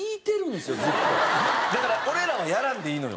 だから俺らはやらんでいいのよ。